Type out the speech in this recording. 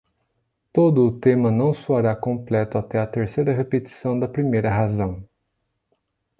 Todo o tema não soará completo até a terceira repetição da primeira razão.